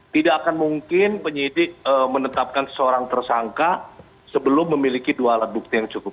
tidak akan mungkin penyidik menetapkan seorang tersangka sebelum memiliki dua alat bukti yang cukup